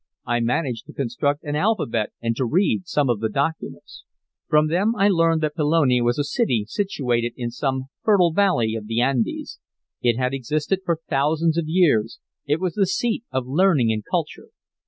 I managed to construct an alphabet and to read some of the documents. From them I learned that Pelone was a city situated in some fertile valley of the Andes. It had existed for thousands of years; it was the seat of learning and culture.